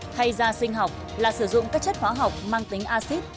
thay da sinh học là sử dụng các chất hóa học mang tính acid